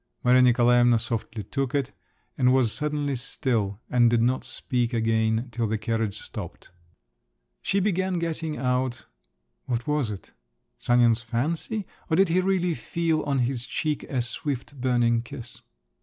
Maria Nikolaevna softly took it, and was suddenly still, and did not speak again till the carriage stopped. She began getting out…. What was it? Sanin's fancy? or did he really feel on his cheek a swift burning kiss?